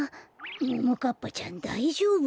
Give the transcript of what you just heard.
ももかっぱちゃんだいじょうぶ？